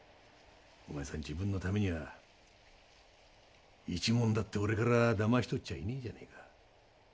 お前さん自分のためには１文だって俺から騙し取っちゃいねえじゃねえか。